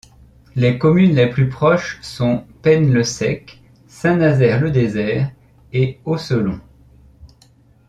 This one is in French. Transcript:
Les communes les plus proches sont Pennes-le-Sec, Saint-Nazaire-le-Désert et Aucelon.